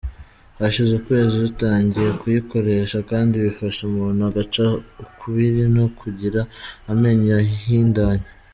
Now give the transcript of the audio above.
Hashize ukwezi dutangiye kuyikoresha kandi bifasha umuntu agaca ukubiri no kugira amenyo y’ahindanye.